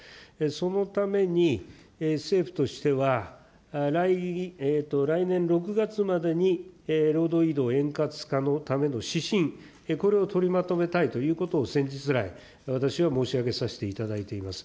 そのために、政府としては、来年６月までに労働移動円滑化のための指針、これを取りまとめたいということを、先日来、私は申し上げさせていただいています。